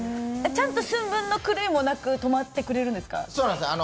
ちゃんと寸分の狂いもなく止まってくれるんですか？